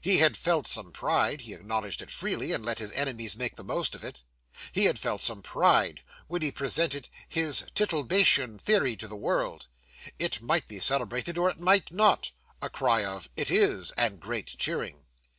He had felt some pride he acknowledged it freely, and let his enemies make the most of it he had felt some pride when he presented his Tittlebatian Theory to the world; it might be celebrated or it might not. (A cry of "It is," and great cheering.)